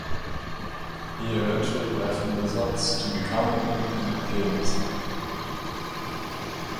He eventually left Wizards to become an independent game designer.